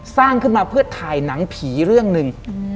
สร้างขึ้นมาเพื่อถ่ายหนังผีเรื่องหนึ่ง